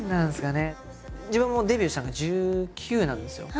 自分もデビューしたのが１９なんですよ。